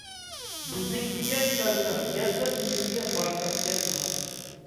بىزنىڭكىگە كەلسەڭ يەپلا، سېنىڭكىگە بارسام گەپلا.